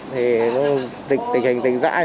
thì tình hình dãi